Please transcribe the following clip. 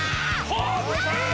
ホームイン！